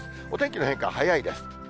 お天気の変化は早いです。